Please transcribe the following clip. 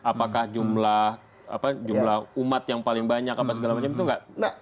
apakah jumlah umat yang paling banyak apa segala macam itu enggak